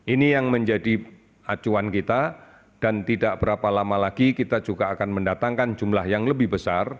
ini yang menjadi acuan kita dan tidak berapa lama lagi kita juga akan mendatangkan jumlah yang lebih besar